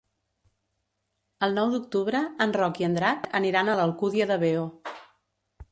El nou d'octubre en Roc i en Drac aniran a l'Alcúdia de Veo.